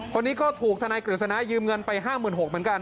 คนนี้ก็ถูกทนายกฤษณะยืมเงินไป๕๖๐๐เหมือนกัน